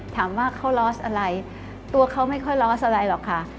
ถามว่าเขาล้อสอะไรตัวเขาไม่ค่อยล้ออะไรหรอกค่ะ